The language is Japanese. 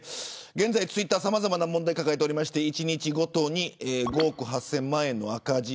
現在ツイッターはさまざまな問題を抱えていて１日ごとに５億８０００万円の赤字。